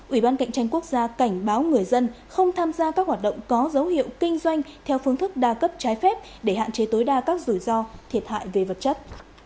ủy ban cạnh tranh quốc gia cảnh báo người dân không tham gia các hoạt động có dấu hiệu kinh doanh theo phương thức đa cấp trái phép để hạn chế tối đa các rủi ro thiệt hại về vật chất